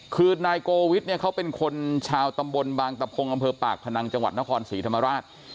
คือนายโกวิทเนี่ยเขาเป็นคนชาวตำบลบางตะพงอำเภอปากพนังจังหวัดนครศรีธรรมราช